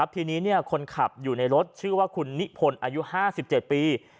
ทีนี้คนขับอยู่ในรถชื่อว่าคุณนิพนธ์อายุ๕๗ปี